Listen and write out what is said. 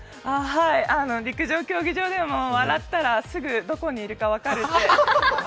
はい、陸上競技場でも笑ったらすぐどこにいるか分かるって。